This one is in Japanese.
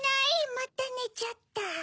またねちゃった。